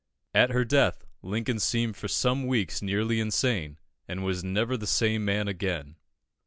At her death, Lincoln seemed for some weeks nearly insane, and was never the same man again.